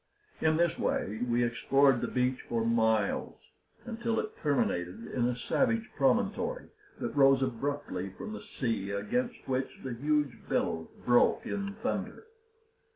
In this way we explored the beach for miles, until it terminated in a savage promontory that rose abruptly from the sea against which the huge billows broke in thunder.